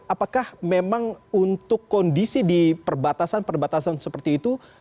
apakah memang untuk kondisi di perbatasan perbatasan seperti itu